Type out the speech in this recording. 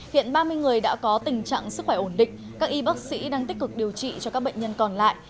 hiện ba mươi người đã có tình trạng sức khỏe ổn định các y bác sĩ đang tích cực điều trị cho các bệnh nhân còn lại